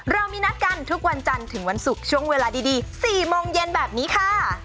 เรามีนัดกันทุกวันจันทร์ถึงวันศุกร์ช่วงเวลาดี๔โมงเย็นแบบนี้ค่ะ